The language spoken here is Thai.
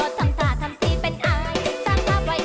เห็นนางเงียบเกียบนางฟอสเรียบระวังไว้น่ะ